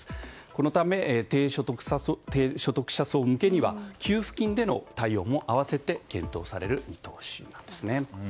このため、低所得者層向けには給付金での対応も併せて検討される見通しなんですね。